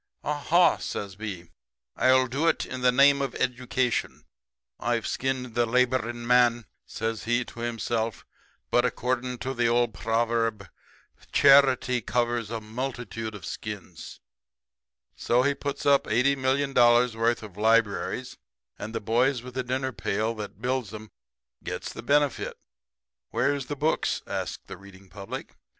"'Aha!' says B, 'I'll do it in the name of Education. I've skinned the laboring man,' says he to himself, 'but, according to the old proverb, "Charity covers a multitude of skins."' "So he puts up eighty million dollars' worth of libraries; and the boys with the dinner pail that builds 'em gets the benefit. "'Where's the books?' asks the reading public.